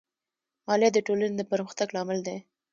مالیه د ټولنې د پرمختګ لامل دی.